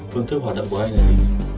phương thức hoạt động của anh là gì